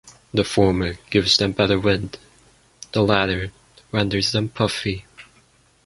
The former gives them better wind; the latter renders them puffy.